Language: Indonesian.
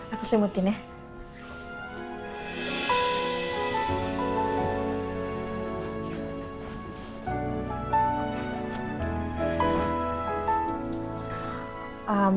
aku simetin ya